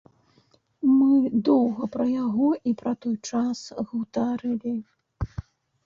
Мы доўга пра яго і пра той час гутарылі.